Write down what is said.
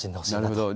なるほど。